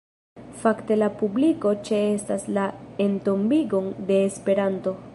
Fakte la publiko ĉeestas la entombigon de Esperanto.